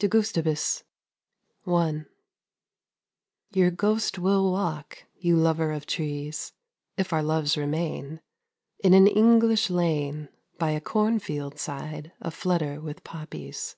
'DE GUSTIBUS ' I Your ghost will walk, you lover of trees, (If our loves remain) In an English lane, By a cornfield side a flutter with poppies.